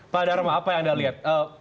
pak dharma apa yang anda lihat